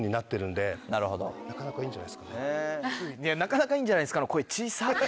「なかなかいいんじゃないですか」の。